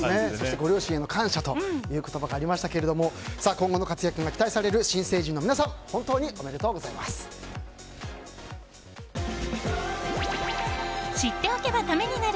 ご両親への感謝という言葉がありましたが今後の活躍が期待される新成人の皆さん知っておけばためになる！